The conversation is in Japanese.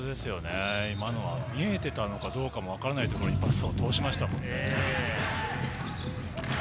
今のは見えていたのかどうかもわからないところにパスを通しましたよね。